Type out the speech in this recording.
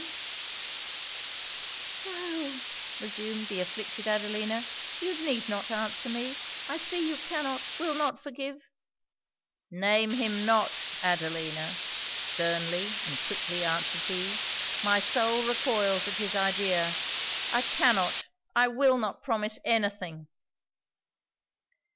'No,' reassumed the afflicted Adelina, 'you need not answer me; I see you cannot will not forgive ' 'Name him not, Adelina!' sternly and quickly answered he 'my soul recoils at his idea! I cannot, I will not promise any thing!'